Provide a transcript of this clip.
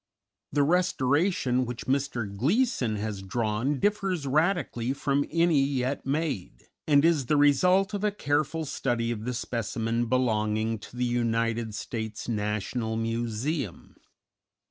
_] The restoration which Mr. Gleeson has drawn differs radically from any yet made, and is the result of a careful study of the specimen belonging to the United States National Museum.